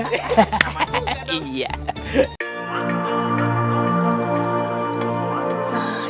sama aku juga dong